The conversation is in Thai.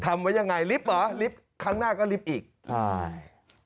ไว้ยังไงลิฟต์เหรอลิฟต์ครั้งหน้าก็ลิฟต์อีกใช่